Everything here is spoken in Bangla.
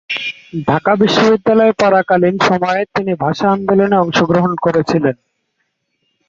ঢাকা বিশ্ববিদ্যালয়ে পড়াকালীন সময়ে তিনি ভাষা আন্দোলনে অংশগ্রহণ করেছিলেন।